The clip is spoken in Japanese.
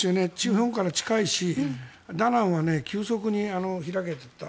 日本から近いしダナンは急速に開けていった。